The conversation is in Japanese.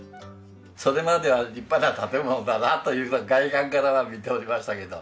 それまでは立派な建物だなという外観からは見ておりましたけど。